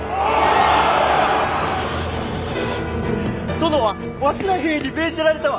殿はわしら兵に命じられたわ。